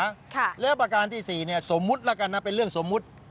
ค่ะแล้วประการที่สี่สมมติล่ะกันนะเป็นเรื่องสมมติ